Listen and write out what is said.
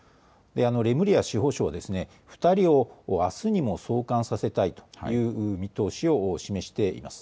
レムリア司法相は２人をあすにも送還させたいという見通しを示しています。